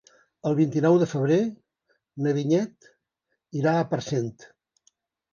El vint-i-nou de febrer na Vinyet irà a Parcent.